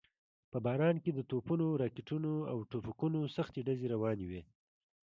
په باران کې د توپونو، راکټونو او ټوپکونو سختې ډزې روانې وې.